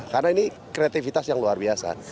karena ini kreativitas yang luar biasa